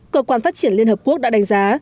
cơ quan phát triển liên hợp quốc đã đánh giá